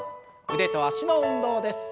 腕と脚の運動です。